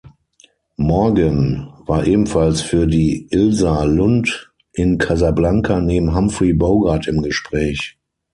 Morgan war ebenfalls für die Ilsa Lund in "Casablanca" neben Humphrey Bogart im Gespräch.